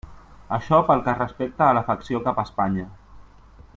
Això pel que respecta a l'afecció cap a Espanya.